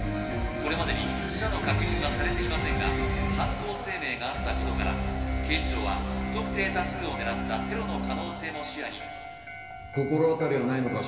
これまでに死者の確認はされていませんが犯行声明があったことから警視庁は不特定多数を狙ったテロの可能性も視野に心当たりはないのか？